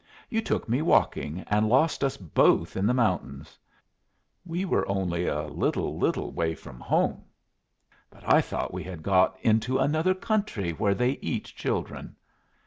You took me walking, and lost us both in the mountains. We were really only a little, little way from home, but I thought we had got into another country where they eat children.